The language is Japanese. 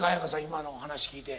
今のお話聞いて。